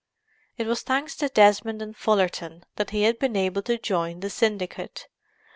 It was thanks to Desmond and Fullerton that he had been able to join the "syndicate."